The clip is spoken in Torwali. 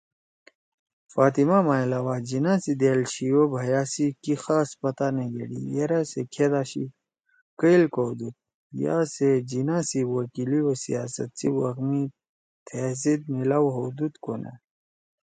فاطمہ ما علاوہ جناح سی دأل شِی او بھیا سی کی خاص پتا نےگھیڑی یرأ سے کھید آشی، کئیل کؤدُود یا سےجناح سی وکیلی او سیاست سی وَخ می تیسیت میلاؤ ہؤدُود کو نأ